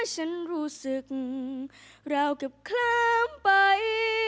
ฉันรู้สึกราวเกือบขวามไป